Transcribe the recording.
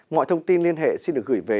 ngoại thông tin liên hệ xin được gửi về